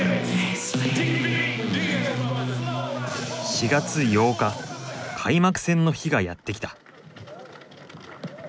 ４月８日開幕戦の日がやって来た。